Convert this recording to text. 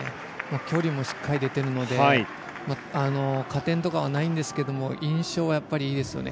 距離もしっかり出てるので加点とかはないんですけども印象はいいですよね。